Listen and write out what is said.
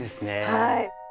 はい。